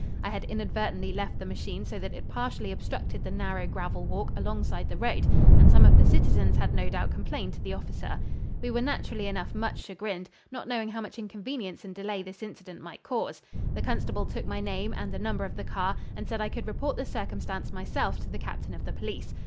I had inadvertantly left the machine so that it partially obstructed the narrow gravel walk alongside the road, and some of the citizens had no doubt complained to the officer. We were naturally enough much chagrined, not knowing how much inconvenience and delay this incident might cause. The constable took my name and the number of the car and said I could report the circumstance myself to the captain of the police.